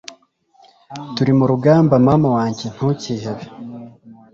Turi murugamba mama wanjye ntukihebe